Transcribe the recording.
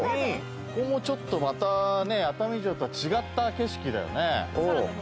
ここも、ちょっとまた熱海城とは違った景色だよね。